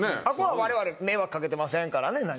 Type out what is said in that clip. あそこは我々迷惑かけてませんからね